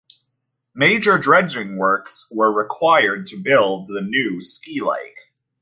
Major dredging works were required to build the new ski lake.